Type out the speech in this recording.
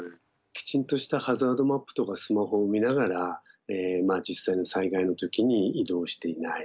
ちゃんとしたハザードマップとかスマホを見ながら実際の災害の時に移動していない。